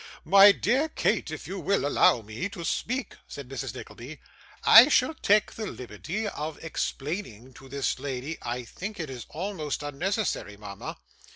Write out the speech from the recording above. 'My dear Kate, if you will allow me to speak,' said Mrs. Nickleby, 'I shall take the liberty of explaining to this lady ' 'I think it is almost unnecessary, mama.